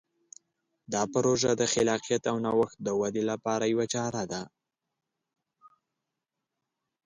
دا پروژه د خلاقیت او نوښت د ودې لپاره یوه چاره ده.